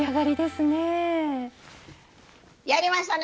やりましたね！